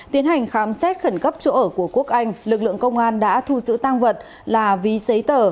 tiến hành khám xét khẩn cấp chỗ ở của quốc anh lực lượng công an đã thu giữ tăng vật là ví giấy tờ